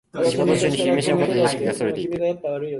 仕事中に昼飯のことで意識がそれていく